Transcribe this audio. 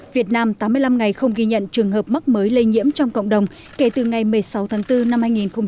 việt nam tám mươi năm ngày không ghi nhận trường hợp mắc mới lây nhiễm trong cộng đồng kể từ ngày một mươi sáu tháng bốn năm hai nghìn hai mươi